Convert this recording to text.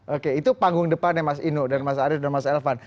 oke itu panggung depannya mas inu dan mas arief dan mas elvan